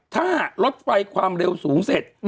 ถ้ารถไฟความเร็วสูงเสร็จ